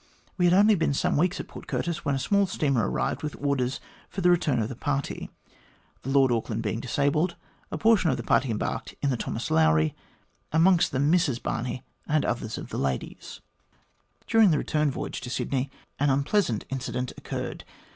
We had only been some weeks at Port Curtis, when a small steamer arrived with orders for the return of the party. The Lord Auckland being disabled, a portion of the party embarked in the Thomas Lowry, amongst them Mrs Barney, and others of the ladies. 186 THE GLADSTONE COLONY " During the return voyage to Sydney an unpleasant incident occurred.